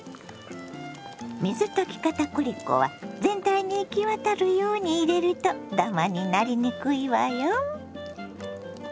水溶き片栗粉は全体に行き渡るように入れるとダマになりにくいわよ。